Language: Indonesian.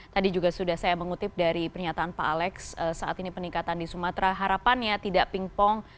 tadi juga sudah saya mengutip dari pernyataan pak alex saat ini peningkatan di sumatera harapannya tidak pingpong